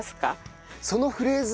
そのフレーズ